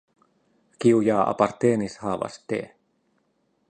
Kiu ja apartenis havas de.